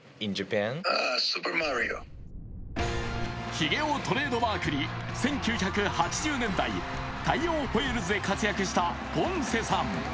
ひげをトレードマークに１９８０年代、大洋ホエールズで活躍したポンセさん。